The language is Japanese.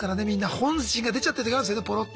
本心が出ちゃってる時あるんですよねポロッと。